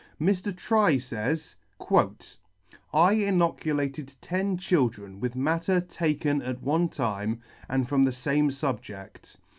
Mr. Trye fays, " I inoculated ten children with matter taken at one time, and from the fame fubjedt.